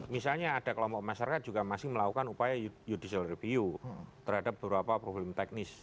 misalnya ada kelompok masyarakat juga masih melakukan upaya judicial review terhadap beberapa problem teknis